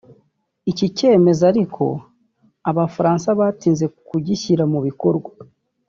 Iki cyemezo ariko Abafaransa batinze kugishyira mu bikorwa